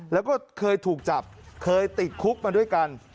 แล้วก็เคยถูกจับเคยติดคุกมาด้วยกัน